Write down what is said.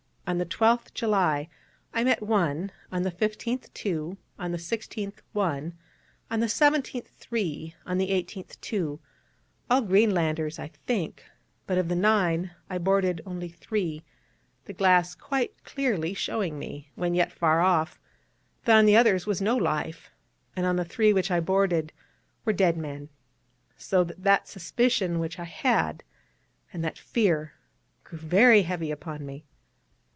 On the 12th July I met one, on the 15th two, on the 16th one, on the 17th three, on the 18th two all Greenlanders, I think: but, of the nine, I boarded only three, the glass quite clearly showing me, when yet far off, that on the others was no life; and on the three which I boarded were dead men; so that that suspicion which I had, and that fear, grew very heavy upon me.